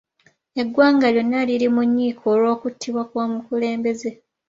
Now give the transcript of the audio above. Eggwanga lyonna liri mu nnyiike olw’okuttibwa kw’omukulembeze.